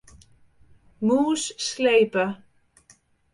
Mûs slepe.